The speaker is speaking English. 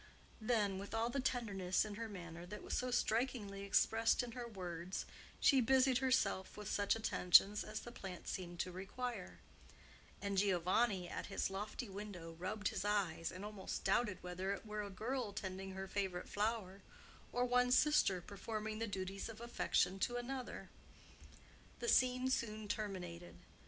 Then, with all the tenderness in her manner that was so strikingly expressed in her words, she busied herself with such attentions as the plant seemed to require; and Giovanni, at his lofty window, rubbed his eyes and almost doubted whether it were a girl tending her favorite flower, or one sister performing the duties of affection to another. The scene soon terminated.